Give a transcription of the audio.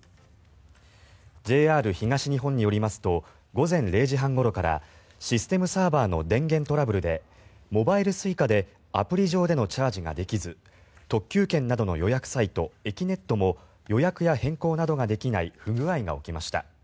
ＪＲ東日本によりますと午前０時半ごろからシステムサーバーの電源トラブルでモバイルＳｕｉｃａでアプリ上でのチャージができず特急券などの予約サイトえきねっとも予約や変更などができない不具合が起きました。